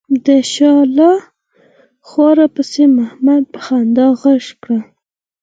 د شا له خوا راپسې محمد په خندا غږ کړل.